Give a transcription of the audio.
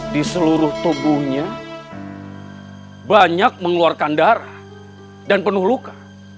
di seluruh tubuhnya banyak mengeluarkan darah dan penuh luka